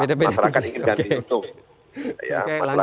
mereka ingin ganti untung